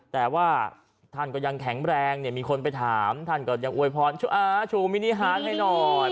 แต่ว่าท่านก็ยังแข็งแรงเนี่ยมีคนไปถามท่านก็ยังอวยพรชูอาชูมินิหารให้หน่อย